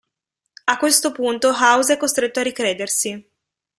A questo punto House è costretto a ricredersi.